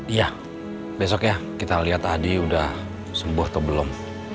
iya besok ya kita liat adi udah sembuh atau belum